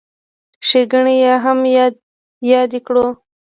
ښېګڼې یې هم یادې کړو.